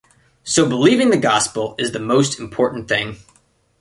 So believing the gospel is the most important thing.